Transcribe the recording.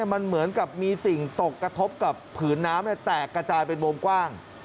มันเหมือนกับมีสิ่งตกกระทบกับผืนน้ำแตกกระจายเป็นวงกว้าง